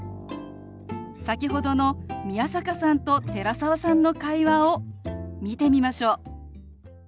先ほどの宮坂さんと寺澤さんの会話を見てみましょう。